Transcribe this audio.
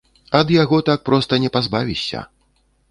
Ад яго так проста не пазбавішся.